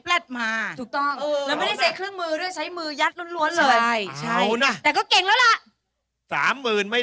เลขอะไร